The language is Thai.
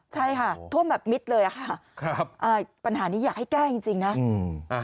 ใช่ค่ะท่วมแบบมิดเลยค่ะปัญหานี้อยากให้แก้จริงนะ